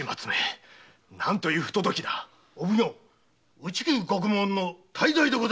打首獄門の大罪でございます。